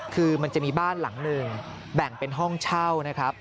คือมันจะมีบ้านหลังหนึ่งแบ่งเป็นห้องเช่านะครับ